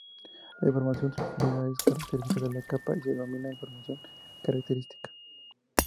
La información transferida es característica de la capa y se denomina información característica.